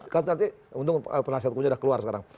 kan nanti untung penasihat hukumnya sudah keluar sekarang